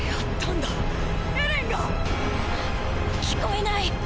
⁉聞こえない！！